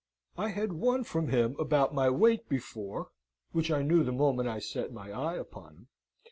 I had won from him about my weight before (which I knew the moment I set my eye upon him).